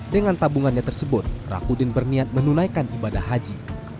dengan tabungannya tersebut rakudin berniat menunaikan ibadah haji